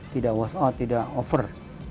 tidak wash out tidak over